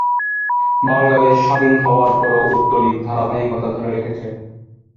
বাংলাদেশ স্বাধীন হওয়ার পরও উক্ত লীগ ধারাবাহিকতা ধরে রেখেছে।